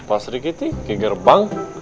pak sri kiti ke gerbang